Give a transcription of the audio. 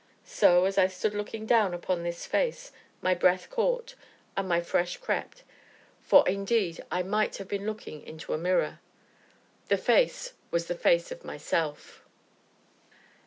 So, as I stood looking down upon this face, my breath caught, and my flesh crept, for indeed, I might have been looking into a mirror the face was the face of myself.